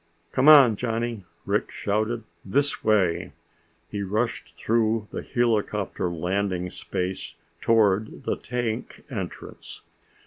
"Come on, Johnny," Rick shouted. "This way!" He rushed through the helicopter landing space toward the tank entrance.